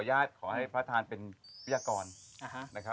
วัดสุทัศน์นี้จริงแล้วอยู่มากี่ปีตั้งแต่สมัยราชการไหนหรือยังไงครับ